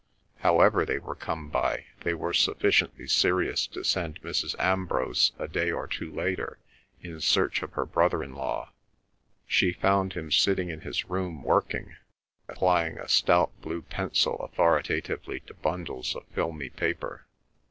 However they were come by, they were sufficiently serious to send Mrs. Ambrose a day or two later in search of her brother in law. She found him sitting in his room working, applying a stout blue pencil authoritatively to bundles of filmy paper.